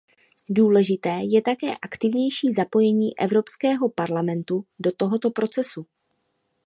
Důležité je také aktivnější zapojení Evropského parlamentu do tohoto procesu.